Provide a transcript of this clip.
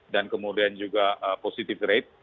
dan kemudian juga positive rate